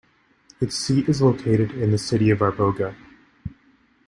Its seat is located in the city of Arboga.